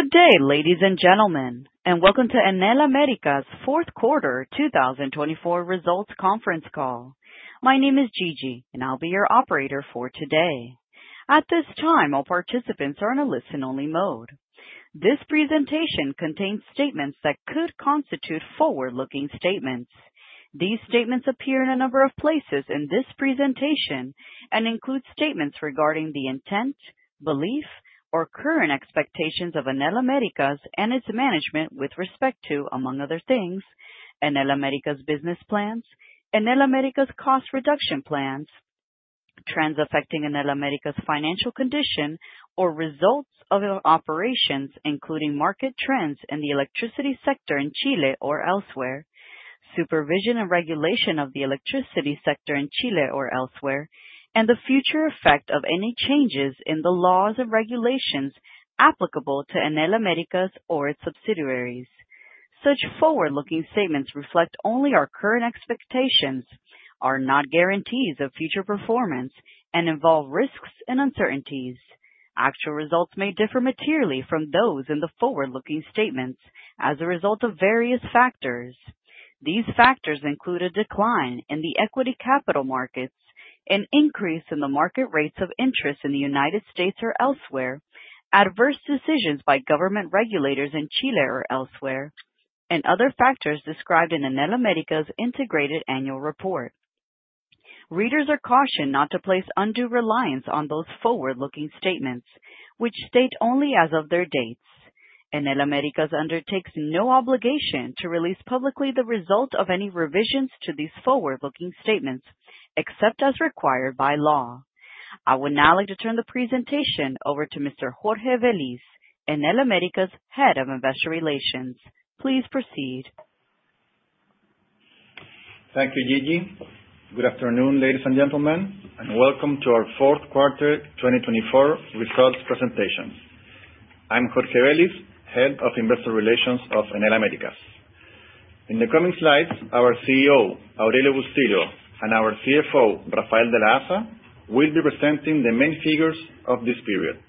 Good day, ladies and gentlemen, and welcome to Enel Américas' Fourth Quarter 2024 Results Conference Call. My name is Gigi, and I'll be your operator for today. At this time, all participants are in a listen-only mode. This presentation contains statements that could constitute forward-looking statements. These statements appear in a number of places in this presentation and include statements regarding the intent, belief, or current expectations of Enel Américas and its management with respect to, among other things, Enel Américas business plans, Enel Américas cost reduction plans, trends affecting Enel Américas financial condition or results of their operations, including market trends in the electricity sector in Chile or elsewhere, supervision and regulation of the electricity sector in Chile or elsewhere, and the future effect of any changes in the laws and regulations applicable to Enel Américas or its subsidiaries. Such forward-looking statements reflect only our current expectations, are not guarantees of future performance, and involve risks and uncertainties. Actual results may differ materially from those in the forward-looking statements as a result of various factors. These factors include a decline in the equity capital markets, an increase in the market rates of interest in the United States or elsewhere, adverse decisions by government regulators in Chile or elsewhere, and other factors described in Enel Américas' integrated annual report. Readers are cautioned not to place undue reliance on those forward-looking statements, which state only as of their dates. Enel Américas undertakes no obligation to release publicly the result of any revisions to these forward-looking statements, except as required by law. I would now like to turn the presentation over to Mr. Jorge Velis, Enel Américas' Head of Investor Relations. Please proceed. Thank you, Gigi. Good afternoon, ladies and gentlemen, and welcome to our fourth quarter 2024 results presentation. I'm Jorge Velis, Head of Investor Relations of Enel Américas. In the coming slides, our CEO, Aurelio Bustilho, and our CFO, Rafael de la Haza, will be presenting the main figures of this period.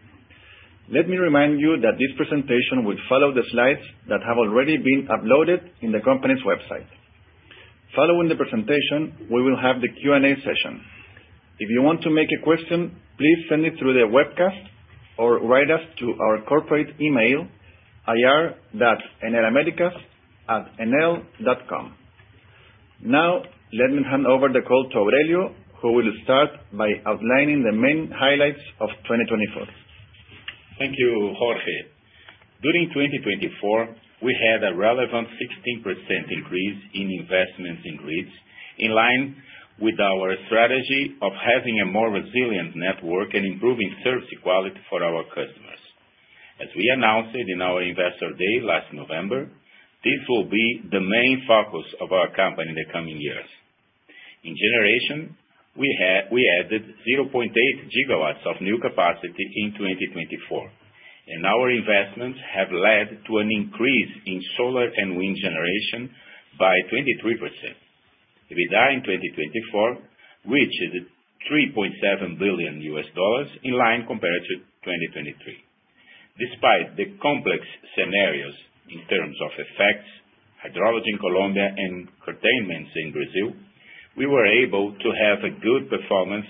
Let me remind you that this presentation will follow the slides that have already been uploaded in the company's website. Following the presentation, we will have the Q&A session. If you want to make a question, please send it through the webcast or write us to our corporate email, ir.enelamericas@enel.com. Now, let me hand over the call to Aurelio, who will start by outlining the main highlights of 2024. Thank you, Jorge. During 2024, we had a relevant 16% increase in investments in grids, in line with our strategy of having a more resilient network and improving service quality for our customers. As we announced it in our Investor Day last November, this will be the main focus of our company in the coming years. In generation, we added 0.8 GW of new capacity in 2024, and our investments have led to an increase in solar and wind generation by 23%. EBITDA in 2024 reached $3.7 billion, in line compared to 2023. Despite the complex scenarios in terms of FX, hydrology in Colombia, and curtailments in Brazil, we were able to have a good performance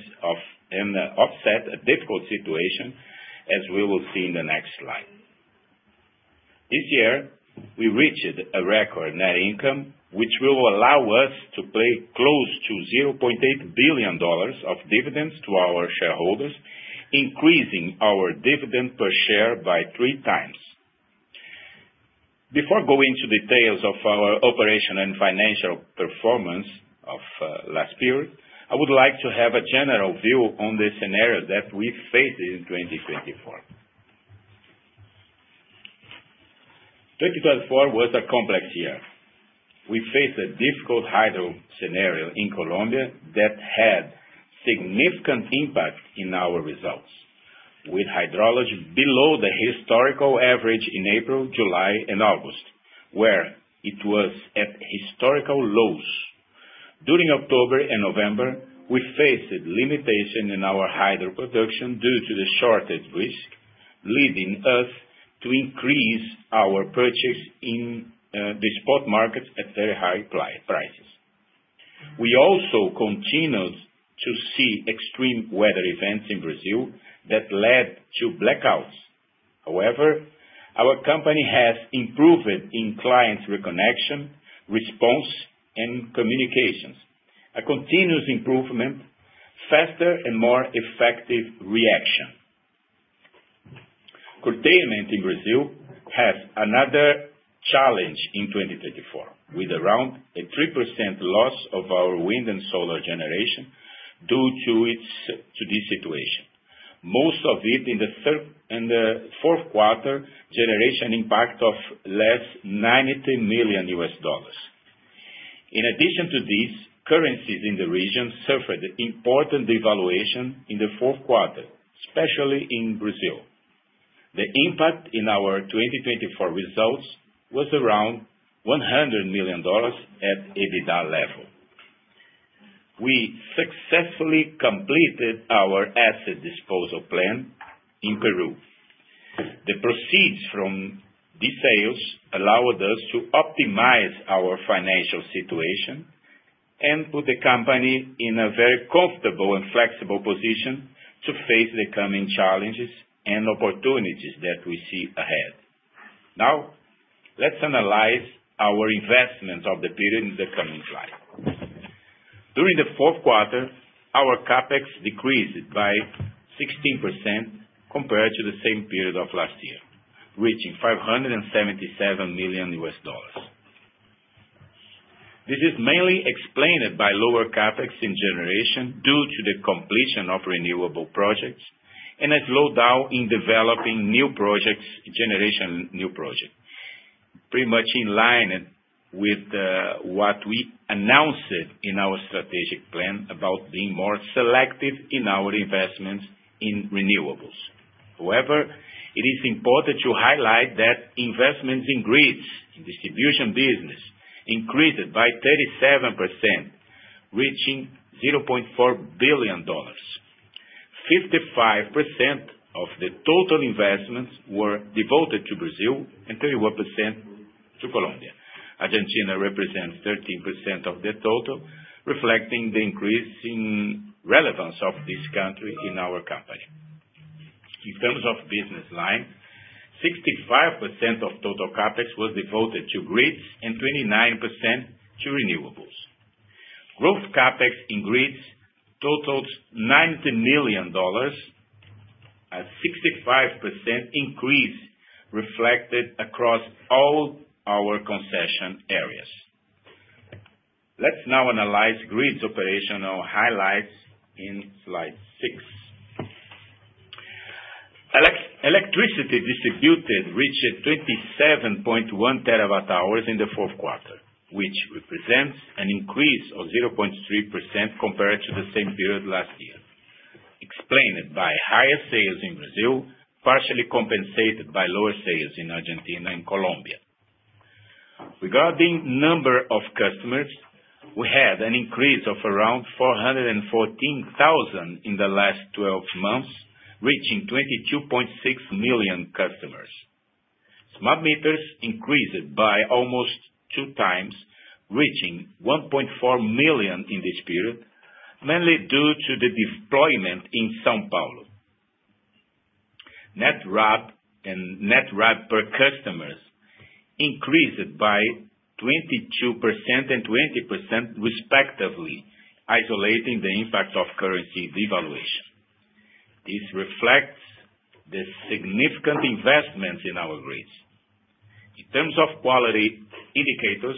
and offset a difficult situation, as we will see in the next slide. This year, we reached a record net income, which will allow us to pay close to $0.8 billion of dividends to our shareholders, increasing our dividend per share by three times. Before going to details of our operation and financial performance of last period, I would like to have a general view on the scenario that we faced in 2024. 2024 was a complex year. We faced a difficult hydro scenario in Colombia that had significant impact in our results. With hydrology below the historical average in April, July, and August, where it was at historical lows. During October and November, we faced a limitation in our hydro production due to the shortage risk, leading us to increase our purchase in the spot markets at very high clearing prices. We also continued to see extreme weather events in Brazil that led to blackouts. However, our company has improved in client reconnection, response, and communications. A continuous improvement, faster and more effective reaction. Curtailment in Brazil has another challenge in 2024, with around a 3% loss of our wind and solar generation due to to this situation. Most of it in the third and the fourth quarter generation impact of less $90 million. In addition to this, currencies in the region suffered important devaluation in the fourth quarter, especially in Brazil. The impact in our 2024 results was around $100 million at EBITDA level. We successfully completed our asset disposal plan in Peru. The proceeds from these sales allowed us to optimize our financial situation and put the company in a very comfortable and flexible position to face the coming challenges and opportunities that we see ahead. Now, let's analyze our investments of the period in the coming slide. During the fourth quarter, our CapEx decreased by 16% compared to the same period of last year, reaching $577 million. This is mainly explained by lower CapEx in generation due to the completion of renewable projects and a slowdown in developing new generation projects. Pretty much in line with what we announced in our strategic plan about being more selective in our investments in renewables. However, it is important to highlight that investments in grids, distribution business, increased by 37%, reaching $0.4 billion. 55% of the total investments were devoted to Brazil and 31% to Colombia. Argentina represents 13% of the total, reflecting the increasing relevance of this country in our company. In terms of business line, 65% of total CapEx was devoted to grids and 29% to renewables. Growth CapEx in grids totaled $90 million, a 65% increase reflected across all our concession areas. Let's now analyze grids operational highlights in slide six. Electricity distributed reached 27.1 TWh in the fourth quarter, which represents an increase of 0.3% compared to the same period last year, explained by higher sales in Brazil, partially compensated by lower sales in Argentina and Colombia. Regarding number of customers, we had an increase of around 414,000 in the last 12 months, reaching 22.6 million customers. Smart meters increased by almost two times, reaching 1.4 million in this period, mainly due to the deployment in São Paulo. Net RAD and net RAD per customers increased by 22% and 20% respectively, isolating the impact of currency devaluation. This reflects the significant investments in our grids. In terms of quality indicators,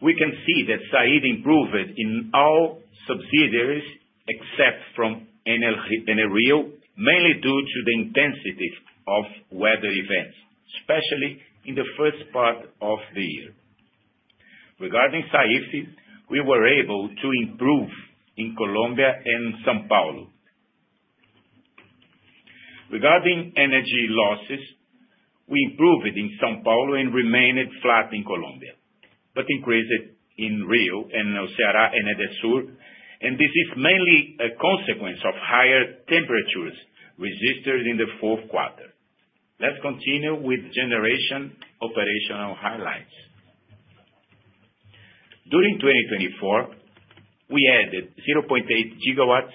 we can see that SAIDI improved in all subsidiaries except from Enel Rio, mainly due to the intensity of weather events, especially in the first part of the year. Regarding SAIFI, we were able to improve in Colombia and São Paulo. Regarding energy losses, we improved in São Paulo and remained flat in Colombia, but increased in Rio and Ceará and Edesur, and this is mainly a consequence of higher temperatures registered in the fourth quarter. Let's continue with generation operational highlights. During 2024, we added 0.8 gigawatts,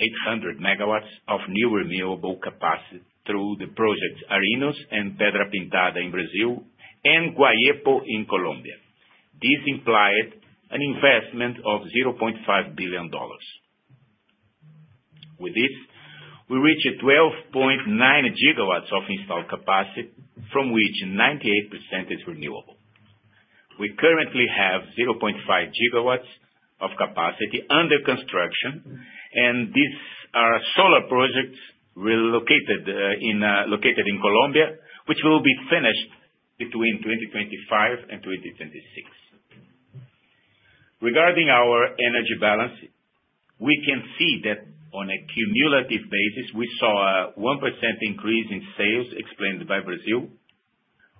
800 megawatts of new renewable capacity through the projects Arinos and Pedra Pintada in Brazil and Guayepo in Colombia. This implied an investment of $0.5 billion. With this, we reached 12.9 GW of installed capacity, from which 98% is renewable. We currently have 0.5 GW of capacity under construction, and these are solar projects located in Colombia, which will be finished between 2025 and 2026. Regarding our energy balance, we can see that on a cumulative basis, we saw a 1% increase in sales explained by Brazil,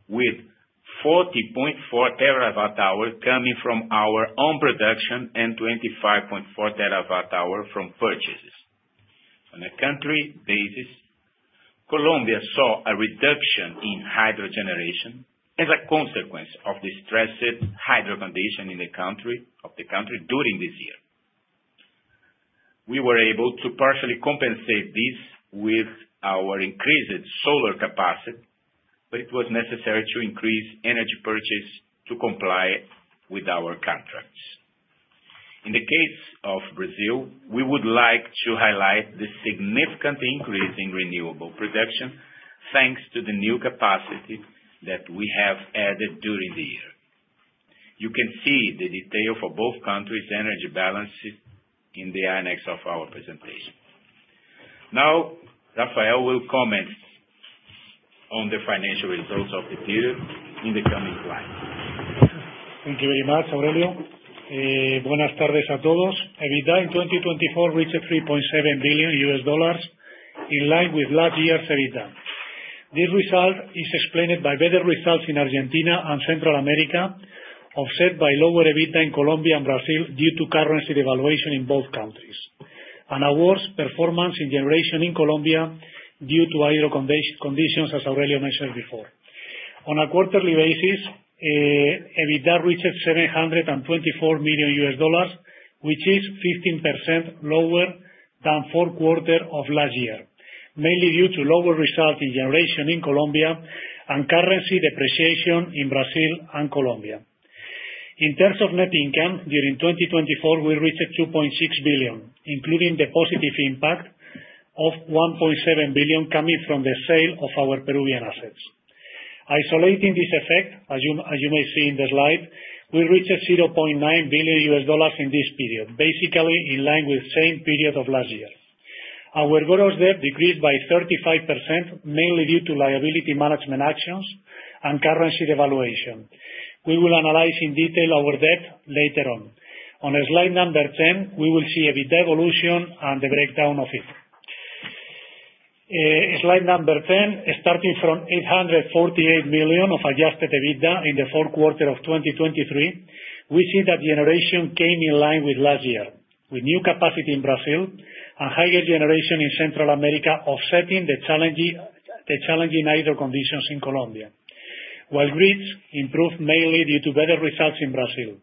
with 40.4 TWh coming from our own production and 25.4 TWh from purchases. On a country basis, Colombia saw a reduction in hydro generation as a consequence of the stressed hydro condition in the country during this year. We were able to partially compensate this with our increased solar capacity, but it was necessary to increase energy purchase to comply with our contracts. In the case of Brazil, we would like to highlight the significant increase in renewable production, thanks to the new capacity that we have added during the year. You can see the detail for both countries' energy balances in the annex of our presentation. Now, Rafael will comment on the financial results of the period in the coming slide. Thank you very much, Aurelio. EBITDA in 2024 reached $3.7 billion, in line with last year's EBITDA. This result is explained by better results in Argentina and Central America, offset by lower EBITDA in Colombia and Brazil due to currency devaluation in both countries, and a worse performance in generation in Colombia due to hydro conditions, as Aurelio mentioned before. On a quarterly basis, EBITDA reached $724 million, which is 15% lower than fourth quarter of last year, mainly due to lower results in generation in Colombia and currency depreciation in Brazil and Colombia. In terms of net income, during 2024, we reached $2.6 billion, including the positive impact of $1.7 billion coming from the sale of our Peruvian assets. Isolating this effect, as you may see in the slide, we reached $0.9 billion in this period, basically in line with same period of last year. Our gross debt decreased by 35%, mainly due to liability management actions and currency devaluation. We will analyze in detail our debt later on. On slide number 10, we will see EBITDA evolution and the breakdown of it. Slide number 10, starting from $848 million of adjusted EBITDA in the fourth quarter of 2023, we see that generation came in line with last year, with new capacity in Brazil and higher generation in Central America, offsetting the challenging hydro conditions in Colombia, while grids improved mainly due to better results in Brazil.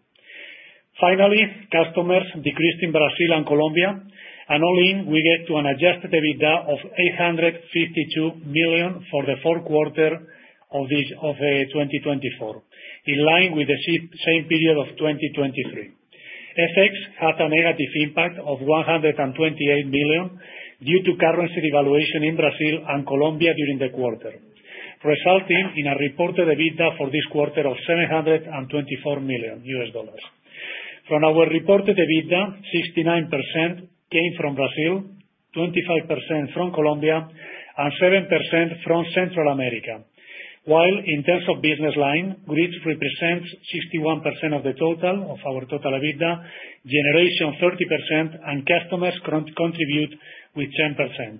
Finally, customers decreased in Brazil and Colombia. All in, we get to an adjusted EBITDA of $852 million for the fourth quarter of 2024, in line with the same period of 2023. FX has a negative impact of $128 million due to currency devaluation in Brazil and Colombia during the quarter, resulting in a reported EBITDA for this quarter of $724 million. From our reported EBITDA, 69% came from Brazil, 25% from Colombia, and 7% from Central America. While in terms of business line, grids represents 61% of our total EBITDA, generation 30%, and customers contribute with 10%.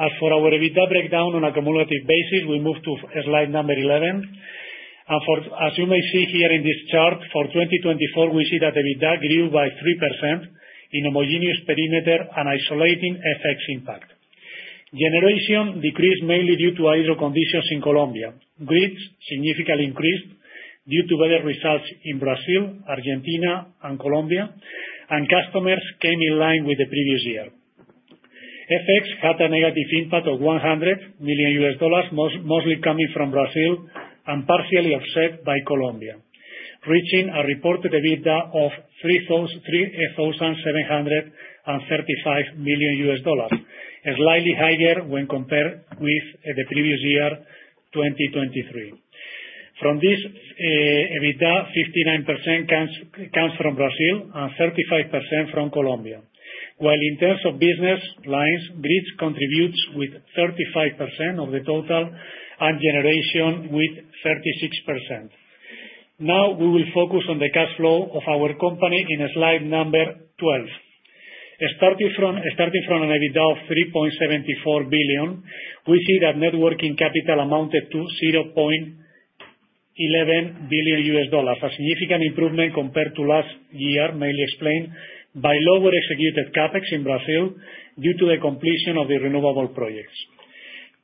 As for our EBITDA breakdown on a cumulative basis, we move to slide number 11. For, as you may see here in this chart, for 2024, we see that EBITDA grew by 3% in homogeneous perimeter and isolating FX impact. Generation decreased mainly due to hydro conditions in Colombia. Grids significantly increased due to better results in Brazil, Argentina, and Colombia, and customers came in line with the previous year. FX had a negative impact of $100 million, mostly coming from Brazil and partially offset by Colombia, reaching a reported EBITDA of $3,735 million, slightly higher when compared with the previous year, 2023. From this EBITDA, 59% comes from Brazil and 35% from Colombia. While in terms of business lines, grids contributes with 35% of the total and generation with 36%. Now we will focus on the cash flow of our company in slide number 12. An EBITDA of $3.74 billion, we see that net working capital amounted to $0.11 billion, a significant improvement compared to last year, mainly explained by lower executed CapEx in Brazil due to the completion of the renewable projects.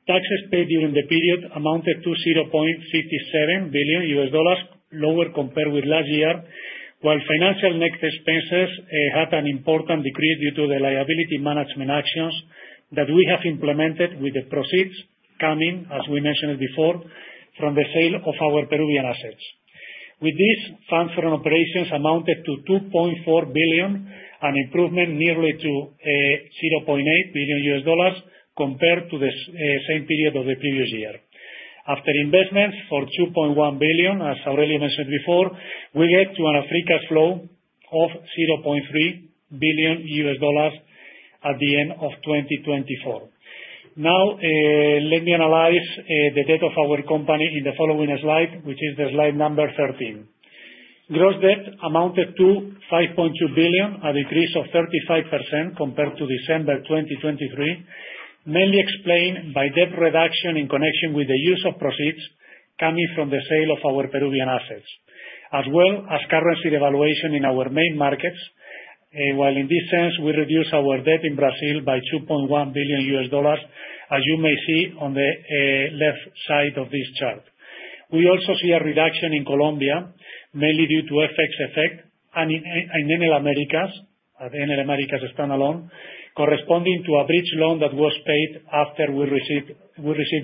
Taxes paid during the period amounted to $0.57 billion, lower compared with last year, while financial net expenses had an important decrease due to the liability management actions that we have implemented with the proceeds coming, as we mentioned before, from the sale of our Peruvian assets. With this, funds from operations amounted to $2.4 billion, an improvement nearly to $0.8 billion compared to the same period of the previous year. After investments for $2.1 billion, as Aurelio mentioned before, we get to a free cash flow of $0.3 billion at the end of 2024. Now, let me analyze the debt of our company in the following slide, which is slide 13. Gross debt amounted to $5.2 billion, a decrease of 35% compared to December 2023, mainly explained by debt reduction in connection with the use of proceeds coming from the sale of our Peruvian assets, as well as currency devaluation in our main markets. While in this sense, we reduced our debt in Brazil by $2.1 billion, as you may see on the left side of this chart. We also see a reduction in Colombia, mainly due to FX effect and in Enel Américas standalone, corresponding to a bridge loan that was paid after we received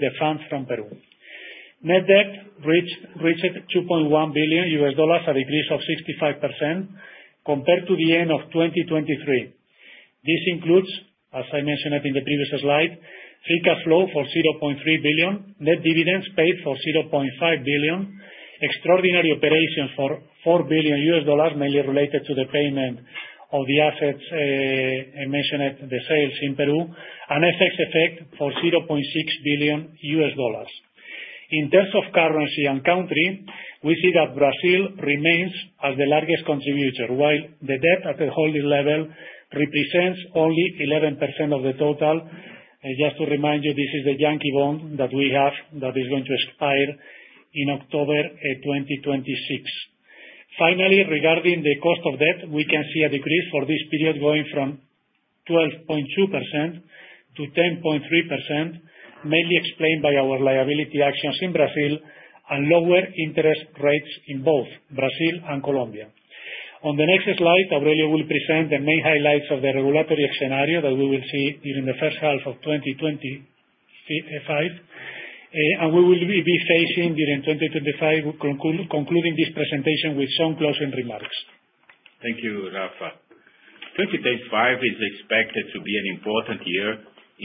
the funds from Peru. Net debt reached $2.1 billion, a decrease of 65% compared to the end of 2023. This includes, as I mentioned in the previous slide, free cash flow for $0.3 billion, net dividends paid for $0.5 billion, extraordinary operations for $4 billion, mainly related to the payment of the assets I mentioned at the sales in Peru, an FX effect for $0.6 billion. In terms of currency and country, we see that Brazil remains as the largest contributor, while the debt at the holding level represents only 11% of the total. Just to remind you, this is a Yankee bond that we have that is going to expire in October 2026. Finally, regarding the cost of debt, we can see a decrease for this period, going from 12.2% to 10.3%, mainly explained by our liability actions in Brazil and lower interest rates in both Brazil and Colombia. On the next slide, Aurelio will present the main highlights of the regulatory scenario that we will see during the first half of 2025. We will be facing during 2025, concluding this presentation with some closing remarks. Thank you, Rafael. 2025 is expected to be an important year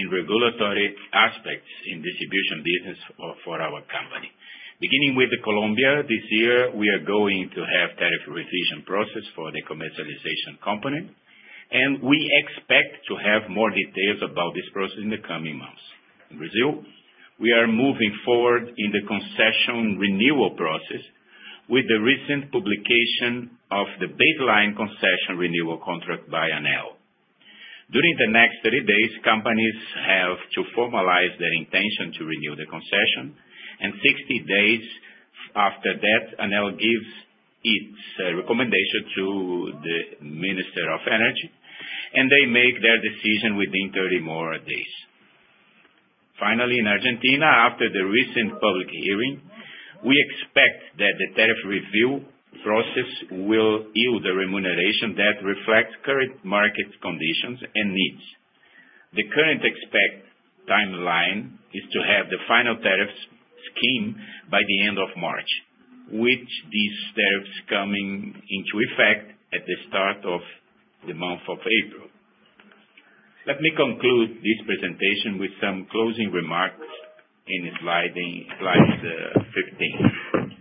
in regulatory aspects in distribution business for our company. Beginning with Colombia, this year we are going to have tariff revision process for the commercialization company, and we expect to have more details about this process in the coming months. In Brazil, we are moving forward in the concession renewal process with the recent publication of the baseline concession renewal contract by Enel. During the next 30 days, companies have to formalize their intention to renew the concession, and 60 days after that, Enel gives its recommendation to the Minister of Energy, and they make their decision within 30 more days. Finally, in Argentina, after the recent public hearing, we expect that the tariff review process will yield a remuneration that reflects current market conditions and needs. The current expected timeline is to have the final tariff scheme by the end of March, with these tariffs coming into effect at the start of the month of April. Let me conclude this presentation with some closing remarks on slide 15.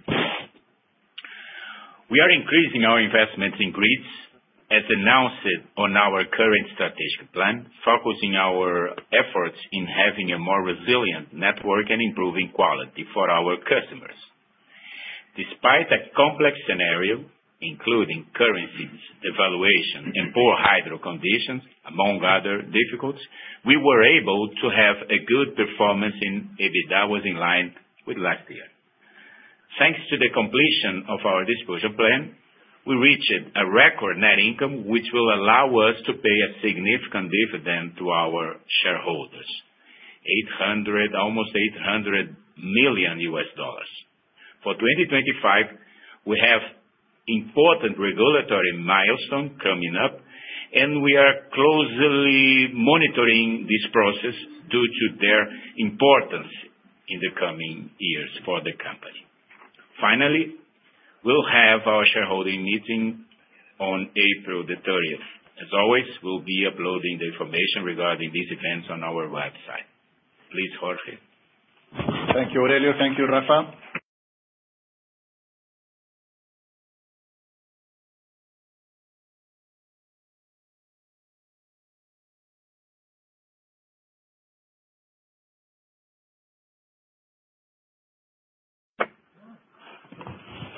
We are increasing our investments in grids, as announced on our current strategic plan, focusing our efforts in having a more resilient network and improving quality for our customers. Despite a complex scenario, including currency devaluation and poor hydro conditions, among other difficulties, we were able to have a good performance, and EBITDA was in line with last year. Thanks to the completion of our disposal plan, we reached a record net income, which will allow us to pay a significant dividend to our shareholders, almost $800 million. For 2025, we have important regulatory milestone coming up, and we are closely monitoring this process due to their importance in the coming years for the company. We'll have our shareholding meeting on April 30. As always, we'll be uploading the information regarding these events on our website. Please hold here. Thank you, Aurelio. Thank you,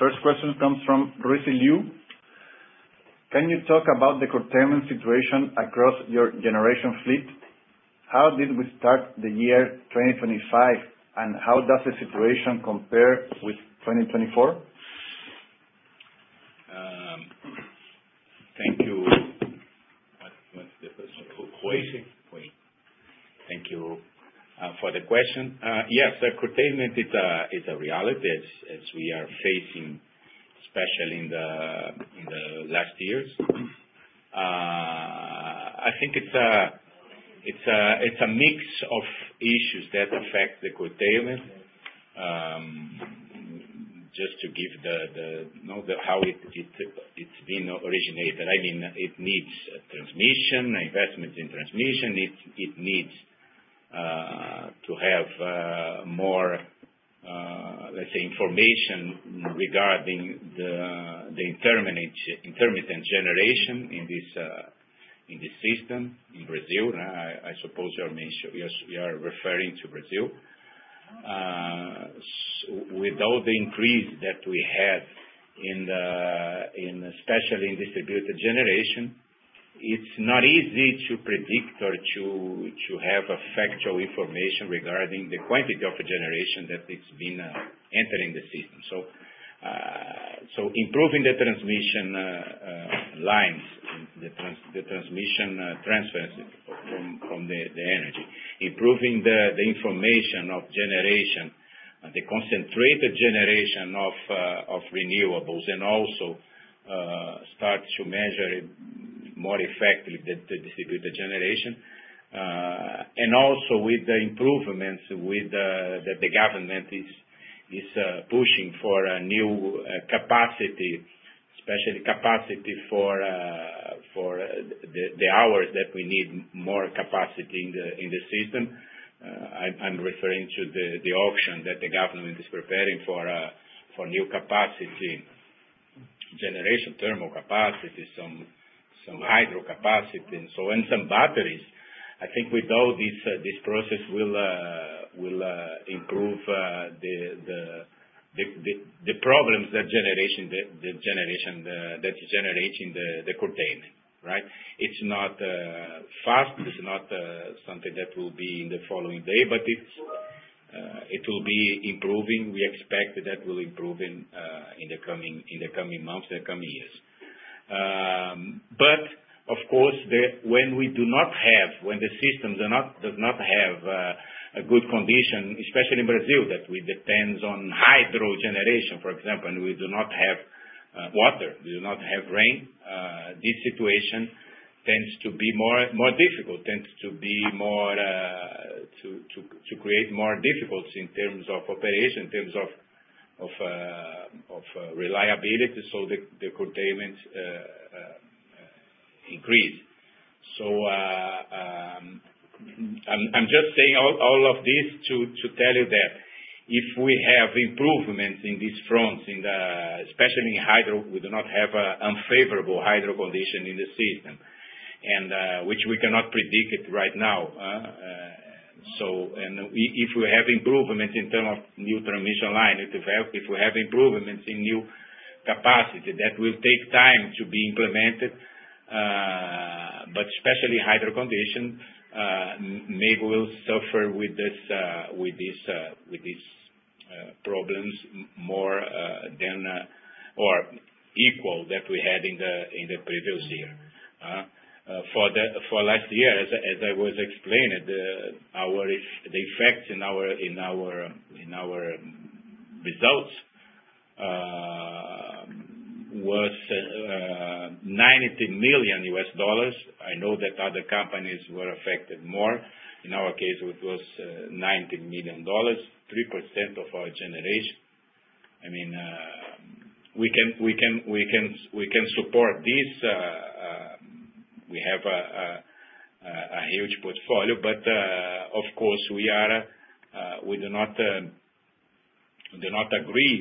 Rafael. First question comes from Ricky Yu. Can you talk about the curtailment situation across your generation fleet? How did we start the year 2025, and how does the situation compare with 2024? Thank you. What's the question? Curtailment. Curtailment. Thank you for the question. Yes, curtailment is a reality as we are facing, especially in the last years. I think it's a mix of issues that affect the curtailment. Just to give the, you know, the how it's being originated. I mean, it needs investments in transmission. It needs to have more, let's say, information regarding the intermittent generation in this system in Brazil. I suppose you are mentioning, yes, we are referring to Brazil. With all the increase that we had in especially in distributed generation, it's not easy to predict or to have a factual information regarding the quantity of generation that it's been entering the system. Improving the transmission lines, the transmission transfers from the energy. Improving the integration of generation, the concentrated generation of renewables, and also start to measure it more effectively to distribute the generation. With the improvements that the government is pushing for a new capacity, especially capacity for the hours that we need more capacity in the system. I'm referring to the auction that the government is preparing for new capacity. Generation thermal capacity, some hydro capacity, solar and some batteries. I think with all these this process will improve the problems that generation that's generating the curtailment, right? It's not fast. It's not something that will be in the following day, but it will be improving. We expect that will improve in the coming months, the coming years. But of course when the systems do not have a good condition, especially in Brazil that we depends on hydro generation, for example, and we do not have water, we do not have rain, this situation tends to be more difficult to create more difficulties in terms of operation, in terms of reliability, so the curtailment increase. I'm just saying all of this to tell you that if we have improvements in these fronts in the Especially in hydro, we do not have an unfavorable hydro condition in the season and which we cannot predict right now, so if we have improvements in terms of new transmission line, if we have improvements in new capacity, that will take time to be implemented. But especially hydro condition, maybe we'll suffer with this problems more than or equal to that we had in the previous year. For last year, as I was explaining, the effects in our results was $90 million. I know that other companies were affected more. In our case, it was $90 million, 3% of our generation. I mean, we can support this. We have a huge portfolio but, of course we do not agree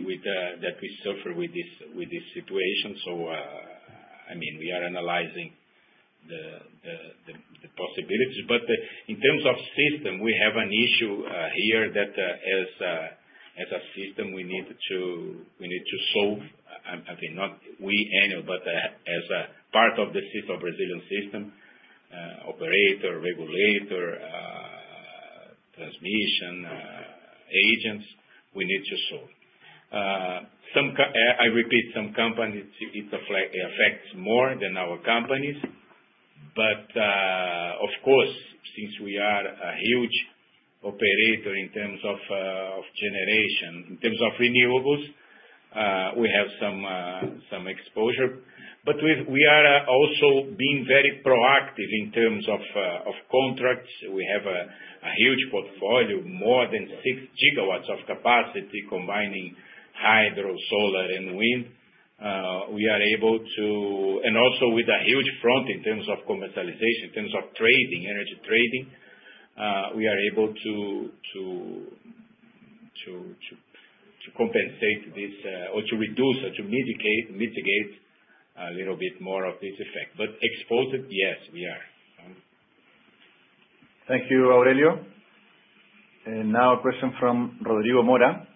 with that we suffer with this situation. I mean, we are analyzing the possibilities. In terms of system, we have an issue here that, as a system we need to solve. I mean, not we Enel, but as a part of the system, Brazilian system, operator, regulator, transmission, agents, we need to solve. I repeat some companies, it affects more than our companies. Of course, since we are a huge operator in terms of generation, in terms of renewables, we have some exposure. We are also being very proactive in terms of contracts. We have a huge portfolio, more than 6 GW of capacity combining hydro, solar, and wind. Also with a huge front in terms of commercialization, in terms of trading, energy trading, we are able to compensate this, or to reduce or to mitigate a little bit more of this effect. Exposed, yes, we are. Thank you, Aurelio. Now a question from Rodrigo Mora.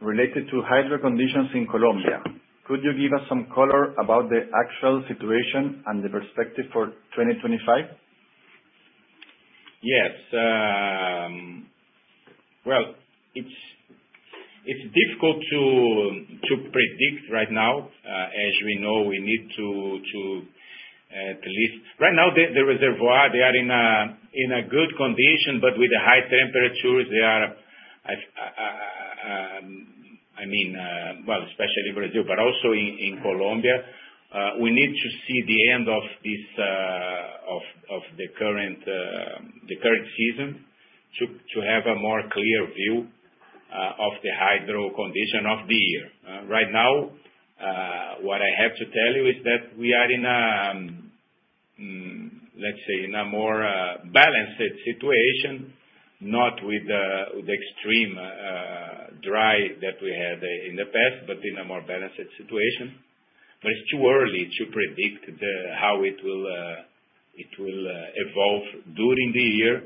Related to hydro conditions in Colombia, could you give us some color about the actual situation and the perspective for 2025? Yes. Well, it's difficult to predict right now. As we know, right now the reservoir, they are in a good condition, but with the high temperatures they are at, especially in Brazil, but also in Colombia, we need to see the end of this of the current season to have a more clear view of the hydro condition of the year. Right now, what I have to tell you is that we are in a, let's say, in a more balanced situation, not with the extreme dry that we had in the past, but in a more balanced situation. It's too early to predict how it will evolve during the year,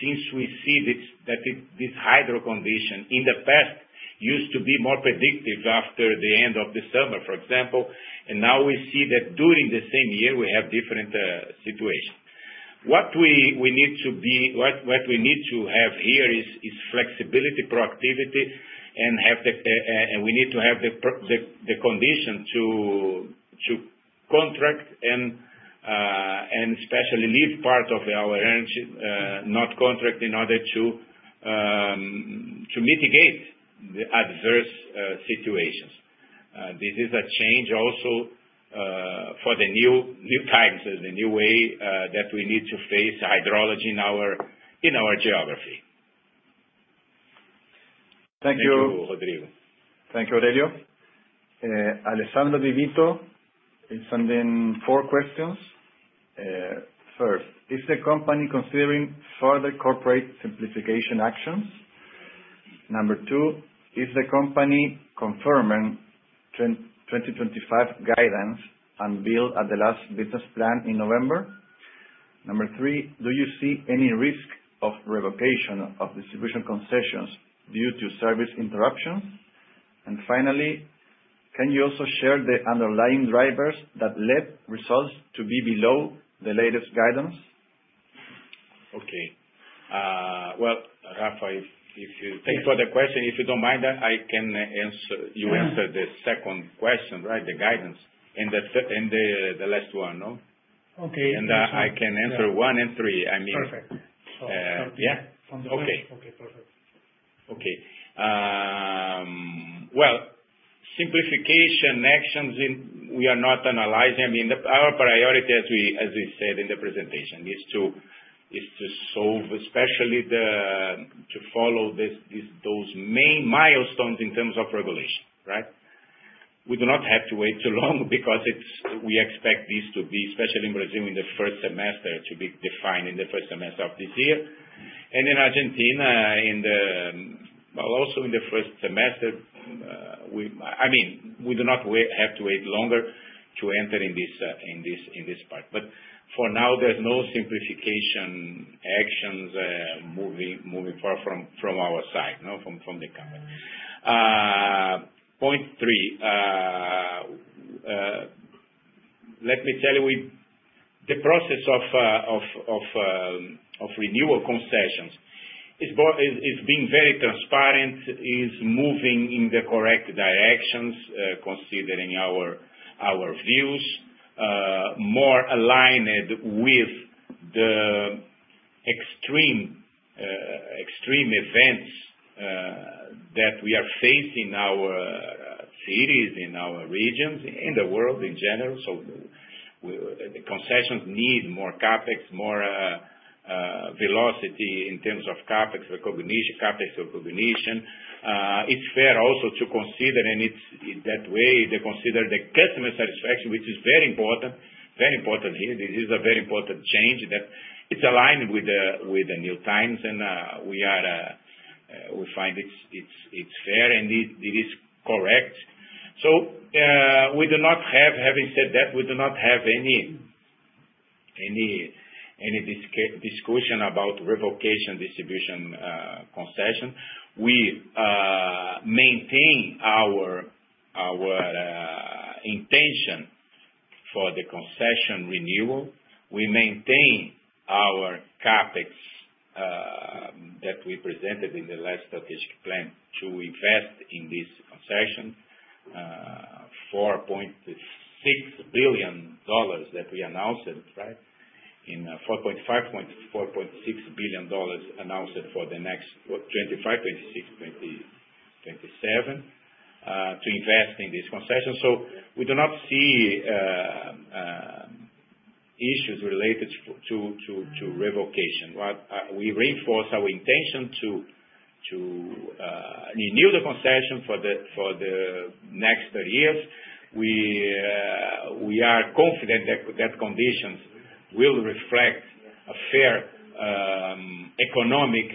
since we see that this hydro condition in the past used to be more predictive after the end of December, for example. Now we see that during the same year we have different situations. What we need to have here is flexibility, proactivity, and the condition to contract and especially leave part of our energy not contract in order to mitigate the adverse situations. This is a change also for the new times, the new way that we need to face hydrology in our geography. Thank you. Thank you, Rodrigo. Thank you, Aurelio Bustilho. Alessandro Vichi is sending four questions. First, is the company considering further corporate simplification actions? Number two, is the company confirming 2025 guidance unveiled at the last business plan in November? Number three, do you see any risk of revocation of distribution concessions due to service interruptions? Finally, can you also share the underlying drivers that led results to be below the latest guidance? Okay. Well, Rafa, if you Yes. Thank you for the question. If you don't mind, I can answer. Yeah. You answer the second question, right? The guidance. The last one, no? Okay. I can answer one and three. I mean. Perfect. Yeah. From the- Okay. Okay. Perfect. We are not analyzing simplification actions. I mean, our priority as we said in the presentation is to solve, especially to follow those main milestones in terms of regulation, right? We do not have to wait too long because we expect this to be, especially in Brazil, defined in the first semester of this year. In Argentina, also in the first semester, I mean, we do not have to wait longer to enter in this part. For now, there's no simplification actions moving far from our side, you know, from the company. Point three. Let me tell you, the process of renewal concessions is being very transparent, is moving in the correct directions, considering our views, more aligned with the extreme events that we are facing our cities, in our regions, in the world in general. The concessions need more CapEx, more velocity in terms of CapEx recognition. It's fair also to consider, and in that way, they consider the customer satisfaction, which is very important. This is a very important change that it's aligned with the new times and we find it's fair and it is correct. Having said that, we do not have any discussion about revocation distribution concession. We maintain our intention for the concession renewal. We maintain our CapEx that we presented in the last strategic plan to invest in this concession $4.6 billion that we announced, right? $4.5 billion-$4.6 billion announced for the next 2025, 2026, 2027 to invest in this concession. We do not see issues related to revocation. We reinforce our intention to renew the concession for the next 30 years. We are confident that conditions will reflect a fair economic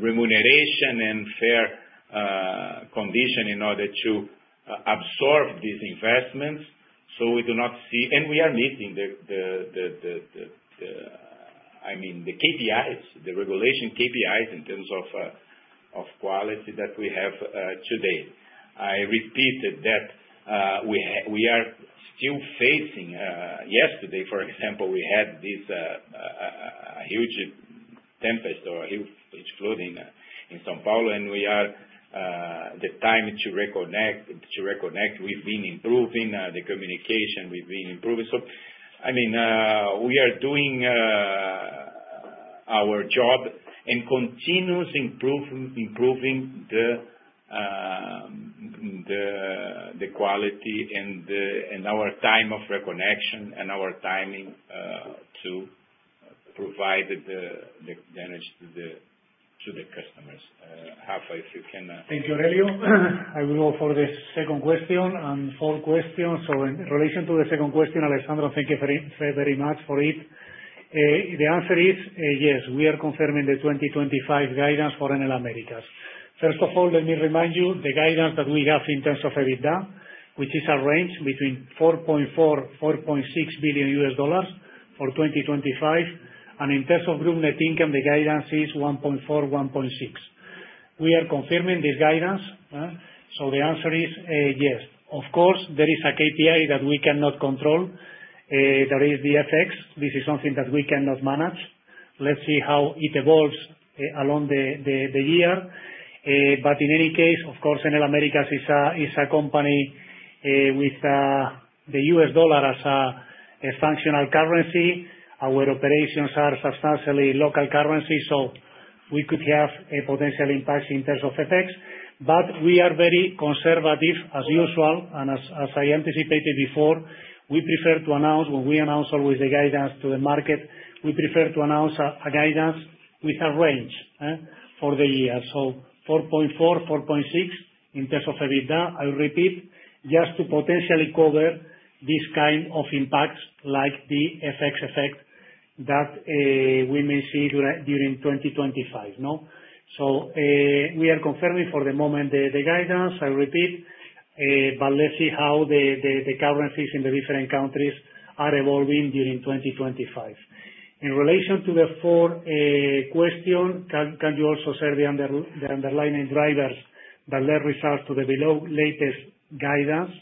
remuneration and fair condition in order to absorb these investments. We do not see. We are meeting the KPIs, the regulation KPIs in terms of quality that we have today. I repeated that we are still facing yesterday, for example, we had this huge tempest or huge flood in São Paulo, and we are the time to reconnect, to reconnect, we've been improving the communication, we've been improving. I mean, we are doing our job and continuous improving the quality and our time of reconnection and our timing to provide the advantage to the customers. Rafael, if you can Thank you, Aurelio. I will go for the second question and fourth question. In relation to the second question, Alessandro, thank you very, very much for it. The answer is yes, we are confirming the 2025 guidance for Enel Américas. First of all, let me remind you the guidance that we have in terms of EBITDA, which is a range between $4.4 billion-$4.6 billion for 2025. And in terms of group net income, the guidance is $1.4billion-$1.6 billion. We are confirming this guidance, so the answer is yes. Of course, there is a KPI that we cannot control, that is the FX. This is something that we cannot manage. Let's see how it evolves along the year. In any case, of course, Enel Américas is a company with the US dollar as a functional currency. Our operations are substantially local currency, so we could have a potential impact in terms of FX. We are very conservative as usual, and as I anticipated before, we prefer to announce, when we announce always the guidance to the market, we prefer to announce a guidance with a range for the year.$ 4.4 billion-$4.6 billion in terms of EBITDA, I'll repeat, just to potentially cover this kind of impacts like the FX effect that we may see during 2025. We are confirming for the moment the guidance, I repeat, but let's see how the currencies in the different countries are evolving during 2025. In relation to the fourth question, can you also share the underlying drivers that led results below the latest guidance?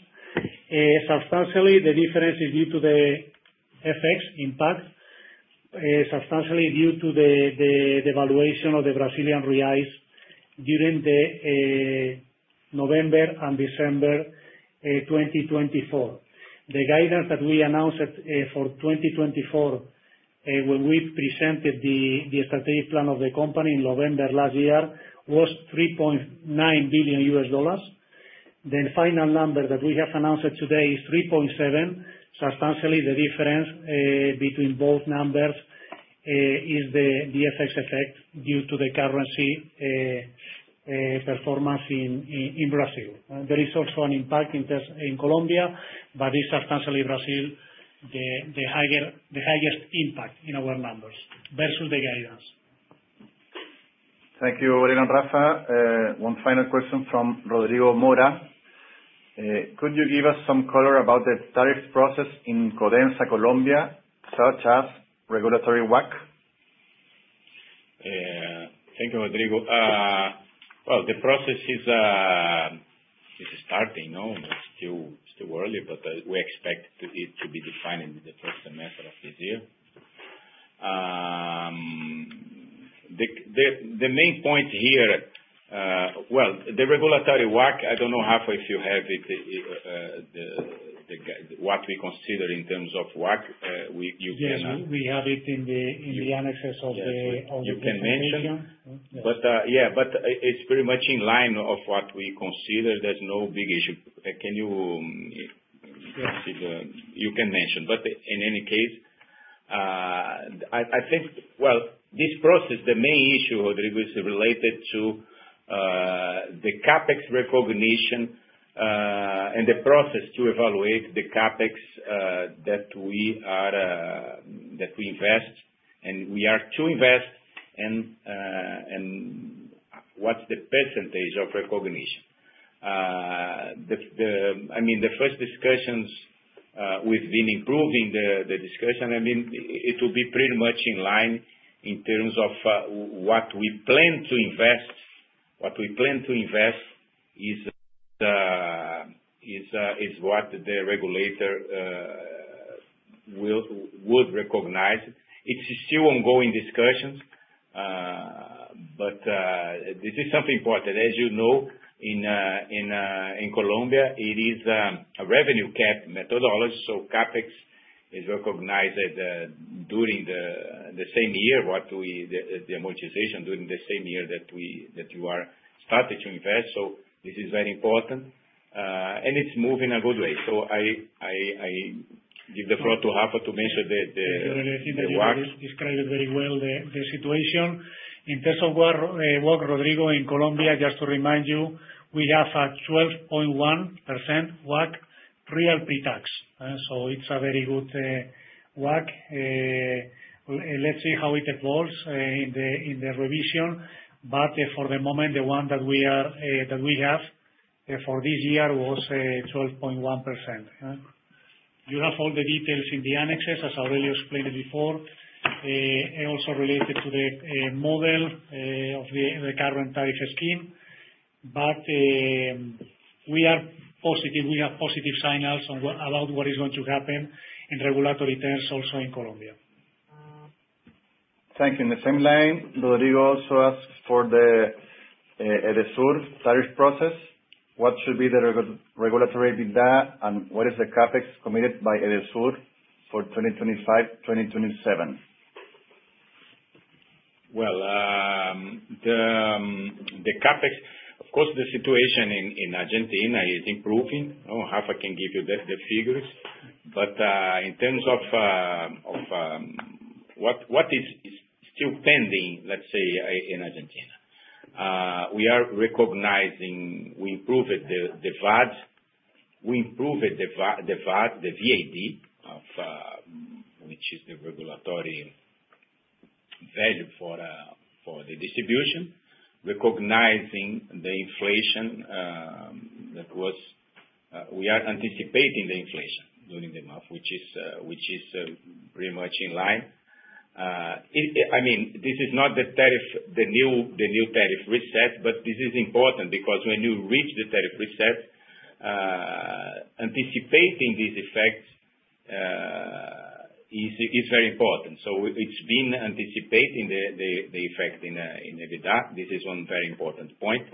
Substantially, the difference is due to the FX impact, substantially due to the devaluation of the Brazilian reais during November and December 2024. The guidance that we announced for 2024, when we presented the strategic plan of the company in November last year, was $3.9 billion. The final number that we have announced today is $3.7 billion. Substantially, the difference between both numbers is the FX effect due to the currency performance in Brazil. There is also an impact in Colombia, but it's substantially Brazil, the highest impact in our numbers versus the guidance. Thank you, Aurelio and Rafa. One final question from Rodrigo Mora. Could you give us some color about the tariff process in Codensa, Colombia, such as regulatory WACC? Thank you, Rodrigo. Well, the process is starting, you know, it's still early, but we expect it to be defined in the first semester of this year. The main point here, well, the regulatory WACC, I don't know, Rafa, if you have it, what we consider in terms of WACC, you can. Yes, we have it in the annexes of the. You can mention. Of the presentation. It's pretty much in line with what we consider. There's no big issue. Can you, if possible- Yes. You can mention. In any case, I think, well, this process, the main issue, Rodrigo, is related to the CapEx recognition and the process to evaluate the CapEx that we are to invest and what's the percentage of recognition. I mean, the first discussions, we've been improving the discussion. I mean, it will be pretty much in line in terms of what we plan to invest is what the regulator would recognize. It's still ongoing discussions, but this is something important. As you know, in Colombia, it is a revenue cap methodology, so CapEx is recognized during the same year, the amortization during the same year that you are starting to invest. This is very important, and it's moving a good way. I give the floor to Rafa to mention the WACC. I think that you described it very well, the situation. In terms of our WACC, Rodrigo, in Colombia, just to remind you, we have a 12.1% WACC pre-tax, so it's a very good WACC. Let's see how it evolves in the revision. For the moment, the one that we have for this year was 12.1%. You have all the details in the annexes, as Aurelio explained before, and also related to the model of the current tariff scheme. We are positive. We have positive signals about what is going to happen in regulatory terms also in Colombia. Thank you. In the same line, Rodrigo also asks for the Edesur tariff process. What should be the regulatory bid there, and what is the CapEx committed by Edesur for 2025-2027? Well, the CapEx, of course, the situation in Argentina is improving. You know, Rafael can give you the figures. In terms of what is still pending, let's say, in Argentina, we are recognizing, we improved the VAD. We improved the VAD, the VAD, which is the regulatory value for the distribution, recognizing the inflation that was, we are anticipating the inflation during the month, which is pretty much in line. I mean, this is not the tariff, the new tariff reset, but this is important because when you reach the tariff reset, anticipating these effects is very important. It's been anticipating the effect in Edesur. This is one very important point.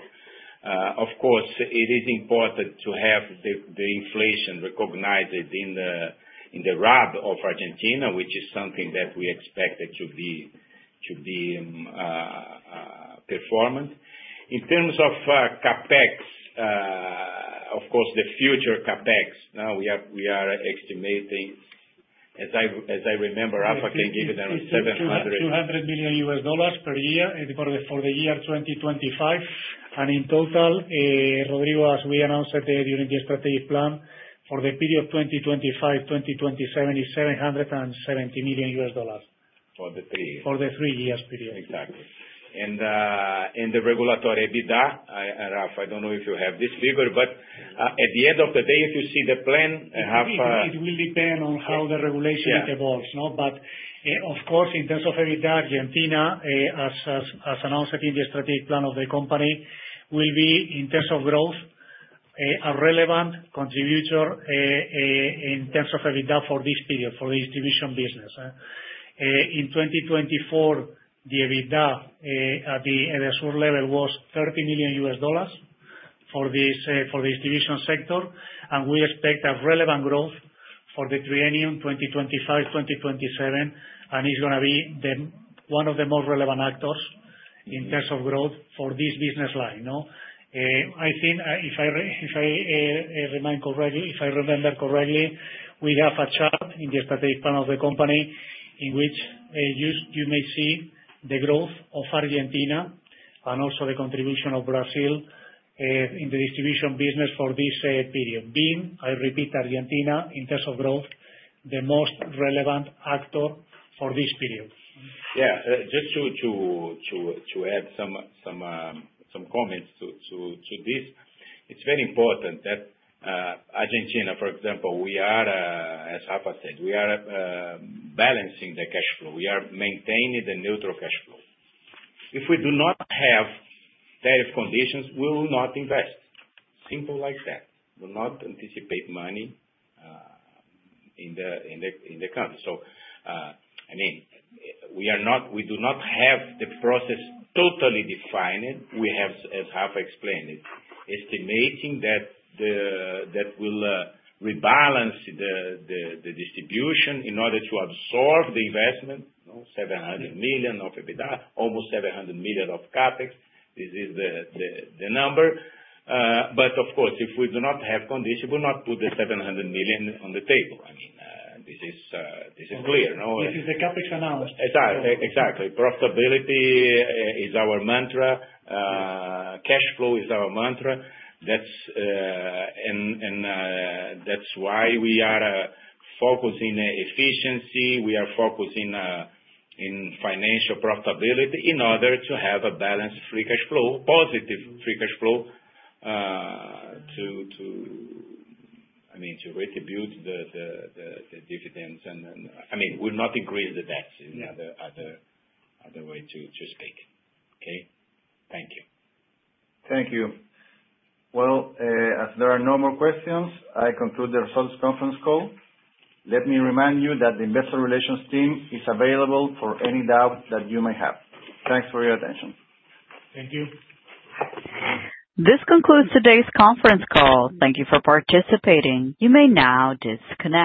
Of course, it is important to have the inflation recognized in the RAB of Argentina, which is something that we expected to be performed. In terms of CapEx, of course, the future CapEx, now we are estimating, as I remember, Rafael can give you the 700- $200 million per year for the year 2025. In total, Rodrigo, as we announced during the strategic plan, for the period 2025-2027, is $770 million. For the three- For the three-year period. Exactly. The regulatory EBITDA, Rafael, I don't know if you have this figure, but at the end of the day, if you see the plan, half. It will depend on how the regulation evolves, you know. But of course, in terms of EBITDA, Argentina, as announced in the strategic plan of the company, will be in terms of growth a relevant contributor in terms of EBITDA for this period, for the distribution business. In 2024, the EBITDA at the Edesur level was $30 million for the distribution sector. We expect a relevant growth for the triennium 2025-2027, and it's gonna be one of the most relevant actors in terms of growth for this business line, you know. I think, if I remember correctly, we have a chart in the strategic plan of the company in which you may see the growth of Argentina and also the contribution of Brazil in the distribution business for this period, being, I repeat, Argentina, in terms of growth, the most relevant actor for this period. Yeah. Just to add some comments to this. It's very important that Argentina, for example, we are, as Rafael said, we are balancing the cash flow. We are maintaining the neutral cash flow. If we do not have better conditions, we will not invest. Simple like that. Will not anticipate money in the country. I mean, we do not have the process totally defined. We have, as Rafael explained it, estimating that that will rebalance the distribution in order to absorb the investment, you know, $700 million of EBITDA, almost $700 million of CapEx. This is the number. But of course, if we do not have condition, we will not put the $700 million on the table. I mean, this is clear, no? This is the CapEx announced. Exactly. Profitability is our mantra. Cash flow is our mantra. That's why we are focusing efficiency, we are focusing in financial profitability in order to have a balanced free cash flow, positive free cash flow, I mean, to distribute the dividends. I mean, we'll not increase the debts in other way to speak. Okay? Thank you. Thank you. Well, as there are no more questions, I conclude the results conference call. Let me remind you that the investor relations team is available for any doubt that you may have. Thanks for your attention. Thank you. This concludes today's conference call. Thank you for participating. You may now disconnect.